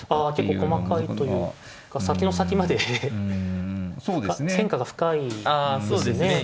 あ結構細かいというか先の先まで変化が深いですね。